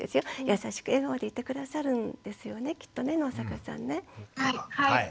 優しく笑顔でいて下さるんですよねきっとね野坂さんね。